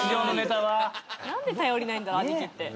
何で頼りないんだろう兄貴って。